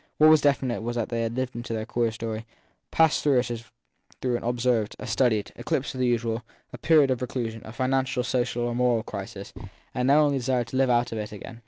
What was definite was that they had lived into their queer story, passed through it as through an observed, a studied, eclipse of the usual, a period of reclusion, a financial, social, or moral crisis, and only desired now to live out of it again.